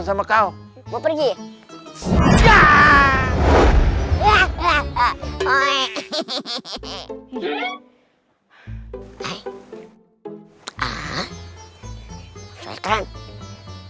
sama kau mau pergi ya hai hai hai hai hai hai hai hai hai hai hai hai hai hai hai hai